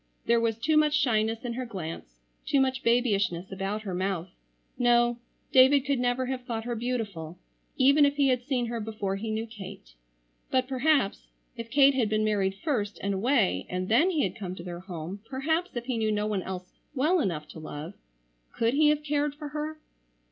There was too much shyness in her glance, too much babyishness about her mouth. No, David could never have thought her beautiful, even if he had seen her before he knew Kate. But perhaps, if Kate had been married first and away and then he had come to their home, perhaps if he knew no one else well enough to love,—could he have cared for her?